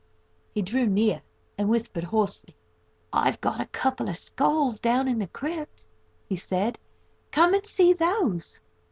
He drew near, and whispered hoarsely: "I've got a couple of skulls down in the crypt," he said; "come and see those.